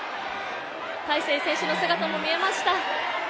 大勢選手の姿も見えました。